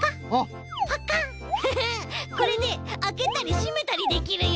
フフッこれであけたりしめたりできるよ！